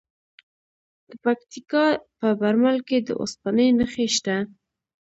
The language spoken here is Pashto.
د پکتیکا په برمل کې د اوسپنې نښې شته.